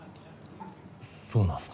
そうなんすか？